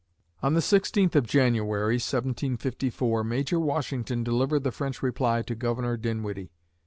On the sixteenth of January (1754), Major Washington delivered the French reply to Governor Dinwiddie.